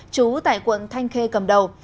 chú tại quận thanh khê cầm đầu